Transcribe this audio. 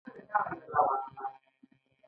په پایله کې کار له ټاکلي وخت څخه زیات ترسره کېږي